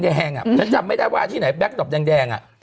ฉันจำไม่ได้ว่าที่ไหนแก๊กดอปแดงอ่ะ